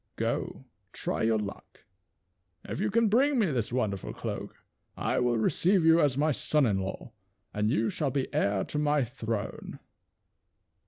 Go, try your luck ; if you can bring me this wonder ful cloak I will receive you as my son in law, and you shall be heir to my throne."